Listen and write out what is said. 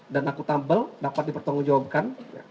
dan akutabel dapat dipertanggungjawabkan